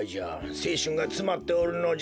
せいしゅんがつまっておるのじゃ。